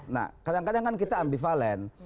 nah kadang kadang kan kita ambivalen